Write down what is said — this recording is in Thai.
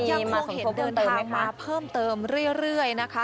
ยังคงเดินทางมาเพิ่มเติมเรื่อยนะคะ